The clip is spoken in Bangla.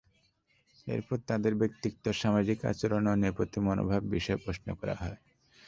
এরপর তাদের ব্যক্তিত্ব, সামাজিক আচরণ, অন্যের প্রতি মনোভাব বিষয়ে প্রশ্ন করা হয়।